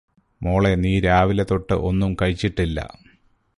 മോളെ നീ രാവിലെതൊട്ട് ഒന്നും കഴിച്ചിട്ടില്ലാ